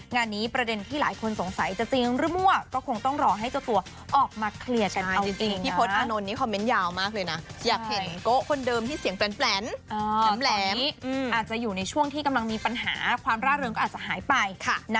ในช่วงที่กำลังมีปัญหาความร่าเริงก็อาจจะหายไป